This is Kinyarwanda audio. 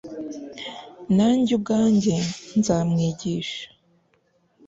Nanjye ubwanjye nzamwigisha